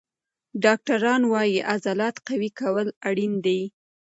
ډاکټران وایي عضلات قوي کول اړین دي.